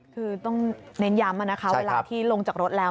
คือต้องเน้นย้ำนะคะเวลาที่ลงจากรถแล้ว